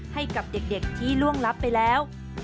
ให้กับเด็กที่ล่วงลับไปแล้ว